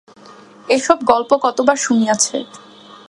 এ সব গল্প কতবার শুনিয়াছে।